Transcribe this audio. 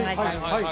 はい